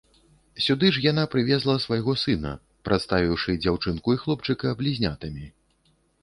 Сюды ж яна прывезла свайго сына, прадставіўшы дзяўчынку і хлопчыка блізнятамі.